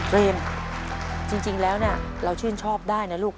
เรมจริงแล้วเนี่ยเราชื่นชอบได้นะลูก